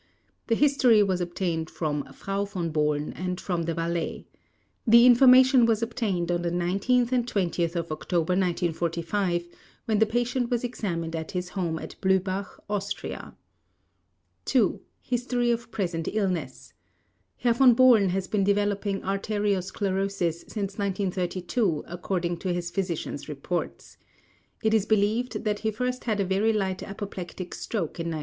The history was obtained from Frau Von Bohlen and from the valet. The information was obtained on the 19th and 20th of October 1945 when the patient was examined at his home at Blühbach, Austria. 2. HISTORY OF PRESENT ILLNESS: Herr Von Bohlen has been developing arteriosclerosis since 1932 according to his physician's reports. It is believed that he first had a very light apoplectic stroke in 1937.